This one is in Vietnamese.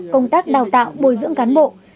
công tác đào tạo bồi dưỡng cán bộ